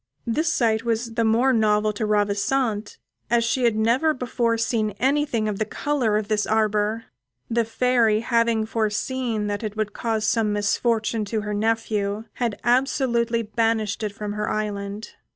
This sight was the more novel to Ravissante as she had never before seen anything of the colour of this arbour. The Fairy having foreseen that it would cause some misfortune to her nephew, had absolutely banished it from her island.